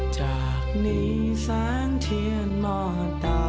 จากนี้สังเทียนหมอต่ำ